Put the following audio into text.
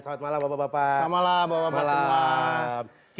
selamat malam bapak bapak